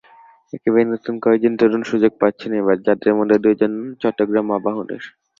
একেবারেই নতুন কয়েকজন তরুণ সুযোগ পাচ্ছেন এবার, যাঁদের মধ্যে দুজন চট্টগ্রাম আবাহনীর।